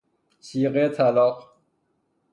صیغه طلاق